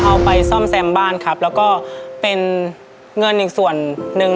เอาไปซ่อมแซมบ้านครับแล้วก็เป็นเงินอีกส่วนหนึ่ง